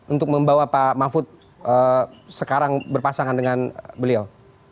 untuk membawa pak mahfud sekarang berpasangan dengan beliau